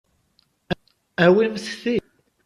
Awim ti.